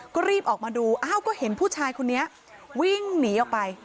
ก็รีบออกมาดูอ้าวก็เห็นผู้ชายคนนี้วิ่งหนีออกไป